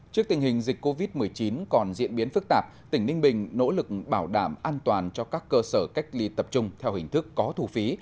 trước tình hình dịch covid một mươi chín còn diễn biến phức tạp tỉnh ninh bình nỗ lực bảo đảm an toàn cho các cơ sở cách ly tập trung theo hình thức có thu phí